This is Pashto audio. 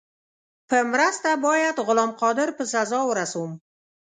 په مرسته باید غلام قادر په سزا ورسوم.